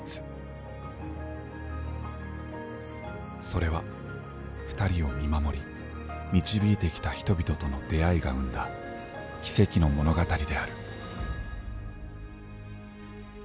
それはふたりを見守り導いてきた人々との出会いが生んだ奇跡の物語である。